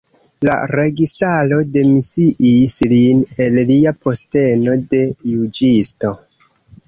La registaro demisiis lin el lia posteno de juĝisto.